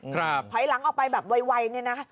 ไฟหลังออกไปแบบวัยนี่นะ